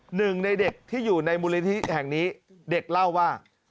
หนึ่งในเด็กที่อยู่ในมูลนิธิแห่งนี้เด็กเล่าว่า